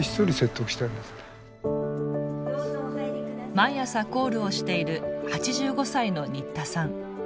毎朝コールをしている８５歳の新田さん。